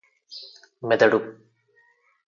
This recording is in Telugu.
మెదడు